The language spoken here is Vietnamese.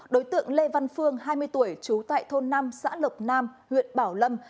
đối tượng lê văn phương hai mươi tuổi trú tại thôn năm xã lộc nam huyện bảo lâm